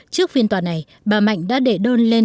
trước phiên tòa này bà mạnh đã để đơn lên